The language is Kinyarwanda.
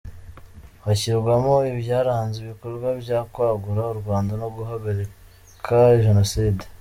Hashyirwamo ibyaranze ibikorwa byo kwagura u Rwanda no guhagarika jenoside.